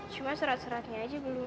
cuma serat seratnya aja belum